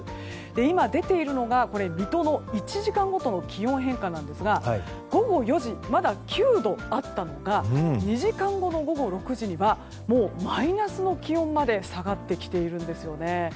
今、出ているのが水戸の１時間ごとの気温変化ですが午後４時、まだ９度あったのが２時間後の午後６時にはもうマイナスの気温まで下がってきているんですよね。